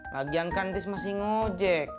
lagian kan tutis masih ngojek